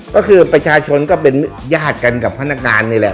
ก็คือประชาชนก็เป็นญาติกันกับพนักงานนี่แหละ